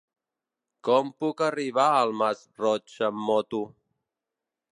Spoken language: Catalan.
Com puc arribar al Masroig amb moto?